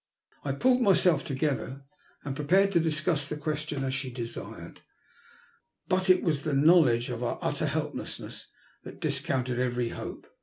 I pulled myself together and prepared to discuss the question as she desired. But it was the knowledge of our utter helplessness that discounted every hope.